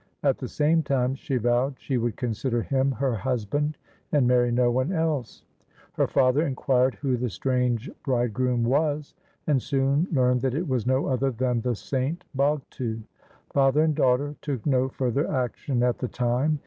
At the same time she vowed she would consider him her husband, and marry no one else. Her father inquired who the strange bridegroom was, and soon learned that it was no other than the saint Bhagtu. Father and daughter took no further action at the time.